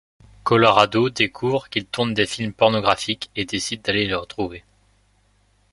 Colorado découvre qu'il tourne des films pornographiques et décide d'aller le retrouver.